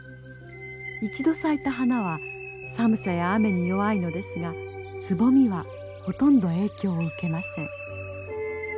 一度咲いた花は寒さや雨に弱いのですがつぼみはほとんど影響を受けません。